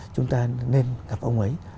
chúng ta nên gặp ông ấy